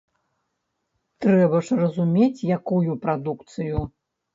Трэба ж разумець, якую прадукцыю.